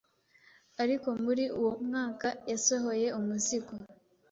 Ariko muri uwo mwaka yasohoye umuzingo